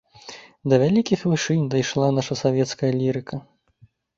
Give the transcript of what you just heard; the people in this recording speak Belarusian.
Да вялікіх вышынь дайшла наша савецкая лірыка.